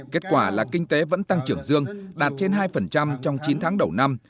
kết quả là kinh tế vẫn tăng trưởng dương đạt trên hai trong chín tháng đầu năm